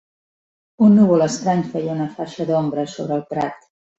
Un núvol estrany feia una faixa d'ombra sobre el prat.